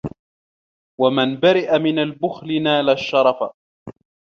وَمَنْ بَرِئَ مِنْ الْبُخْلِ نَالَ الشَّرَفَ